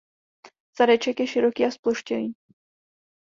Zadeček je široký a zploštělý.